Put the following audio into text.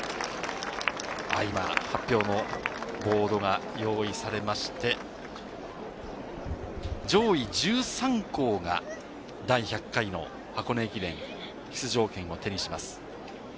今、発表のボードが用意されまして、上位１３校が第１００回の箱根駅伝出場権を手にします。